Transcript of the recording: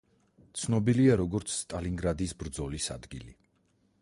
ცნობილია, როგორც სტალინგრადის ბრძოლის ადგილი.